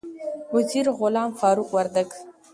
وزیر غلام فاروق وردک